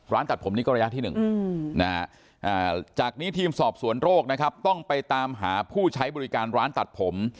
ร้านตัดผมนี่ก็ระยะที่๑จากนี้ทีมสอบสวนโรคนะครับต้องไปตามหาผู้ใช้บริการร้านตัดผม